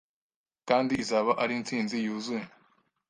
kandi izaba ari intsinzi yuzuye